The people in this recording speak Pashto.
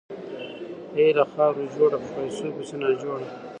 اې له خاورو جوړه، په پيسو پسې ناجوړه !